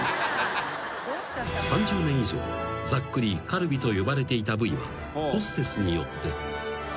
［３０年以上ざっくりカルビと呼ばれていた部位はホステスによって］